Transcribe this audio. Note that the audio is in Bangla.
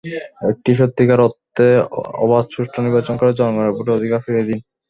একটি সত্যিকার অর্থে অবাধ, সুষ্ঠু নির্বাচন করে জনগণের ভোটের অধিকার ফিরিয়ে দিন।